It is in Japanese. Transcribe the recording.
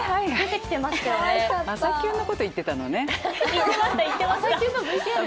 「朝キュン」のこと言ってたのね。